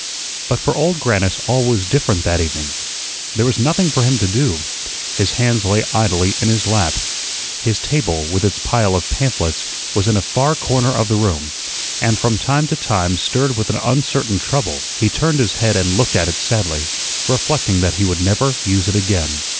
But for Old Grannis all was different that evening. There was nothing for him to do. His hands lay idly in his lap. His table, with its pile of pamphlets, was in a far corner of the room, and, from time to time, stirred with an uncertain trouble, he turned his head and looked at it sadly, reflecting that he would never use it again.